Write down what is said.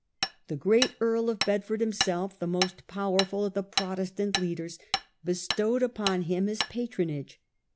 The great Earl of Bedford, himself the most powerful of the Protestant leaders, bestowed upon him his patronage.